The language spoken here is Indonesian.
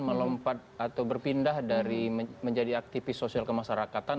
melompat atau berpindah dari menjadi aktivis sosial kemasyarakatan